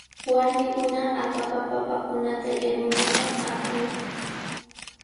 Warmikunami akapa papakunata yanunapaq akran.